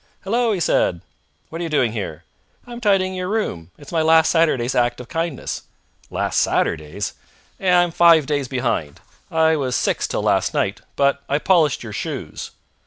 "Hallo!" he said. "What are you doing here?" "I'm tidying your room. It's my last Saturday's act of kindness." "Last Saturday's?" "I'm five days behind. I was six till last night, but I polished your shoes."